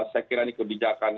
saya kira ini kebijakan